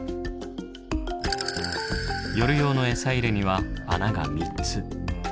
夜用のエサ入れには穴が３つ。